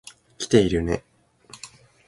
来ているね。